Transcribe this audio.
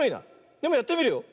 でもやってみるよ。